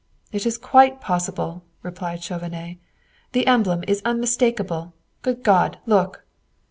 "It is quite possible," replied Chauvenet. "The emblem is unmistakable. Good God, look!"